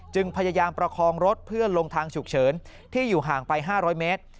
พยายามประคองรถเพื่อลงทางฉุกเฉินที่อยู่ห่างไป๕๐๐เมตร